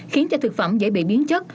khiến cho thực phẩm dễ bị biến chất